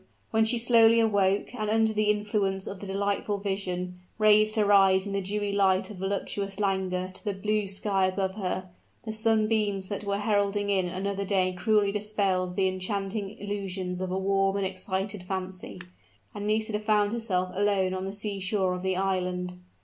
when she slowly awoke, and under the influence of the delightful vision, raised her eyes in the dewy light of voluptuous languor to the blue sky above her, the sunbeams that were heralding in another day cruelly dispelled the enchanting illusions of a warm and excited fancy, and Nisida found herself alone on the sea shore of the island.